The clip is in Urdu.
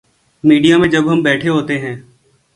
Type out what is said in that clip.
میڈیا میں جب ہم بیٹھے ہوتے ہیں۔